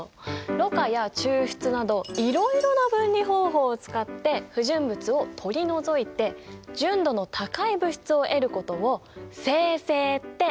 ろ過や抽出などいろいろな分離方法を使って不純物を取り除いて純度の高い物質を得ることを精製っていうんだよ。